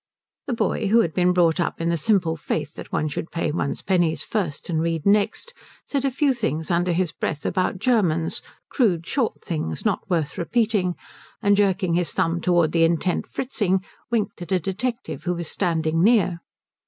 The boy, who had been brought up in the simple faith that one should pay one's pennies first and read next, said a few things under his breath about Germans crude short things not worth repeating and jerking his thumb towards the intent Fritzing, winked at a detective who was standing near.